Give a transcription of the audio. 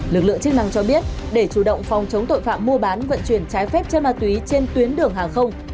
lực lượng chức năng cho biết để chủ động phòng chống tội phạm mua bán vận chuyển trái phép chân ma túy trên tuyến đường hàng không